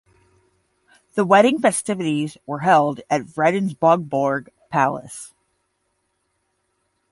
The wedding festivities were held at Fredensborg Palace.